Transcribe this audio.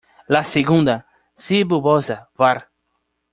La segunda, "C. bulbosa" var.